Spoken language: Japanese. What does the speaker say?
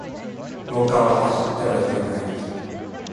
廊下は走ってはいけない。